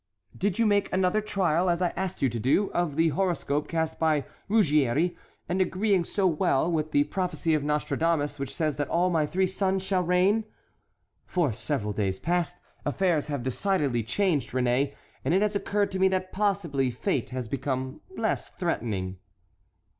"Did you make another trial, as I asked you to do, of the horoscope cast by Ruggieri, and agreeing so well with the prophecy of Nostradamus, which says that all my three sons shall reign? For several days past, affairs have decidedly changed, Réné, and it has occurred to me that possibly fate has become less threatening."